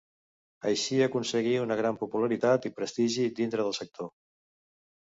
Així aconseguí una gran popularitat i prestigi dintre del sector.